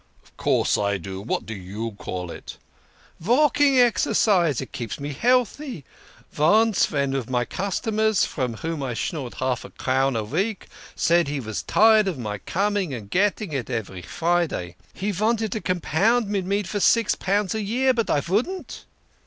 " Of course I do. What do you call it? "" Valking exercise. It keeps me healty. Vonce von of my customers (from whom I schnorred half a crown a veek) said he was tired of my coming and getting it every Friday. THE KING OF SCHNORRERS. 69 He vanted to compound mid me for six pound a year, but I vouldn't."